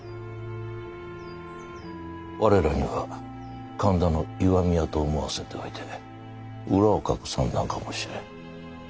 我らには神田の石見屋と思わせておいて裏をかく算段かもしれん。